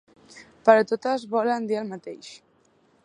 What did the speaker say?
Però totes volen dir el mateix.